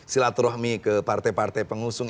silaturahmi ke partai partai pengusung